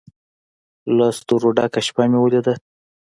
له ستورو ډکه شپه مې ولیده